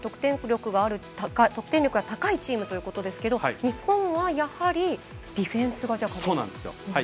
得点力が高いチームということですけど日本はやはりディフェンスが鍵ですか？